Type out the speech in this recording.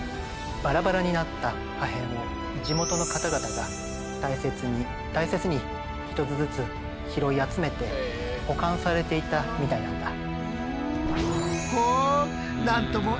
バラバラになった破片を地元の方々が大切に大切に一つずつ拾い集めて保管されていたみたいなんだ。